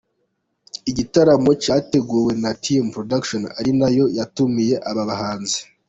Igitaramo cyateguwe na Team Production ari nayo yatumiye aba bahanzi.